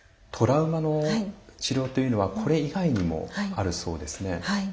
トラウマの治療というのはこれ以外にもあるそうですね。